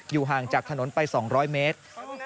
ห่างจากถนนไป๒๐๐เมตร